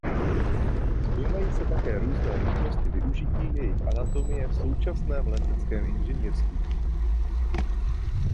Zkoumají se také různé možnosti využití jejich anatomie v současném leteckém inženýrství.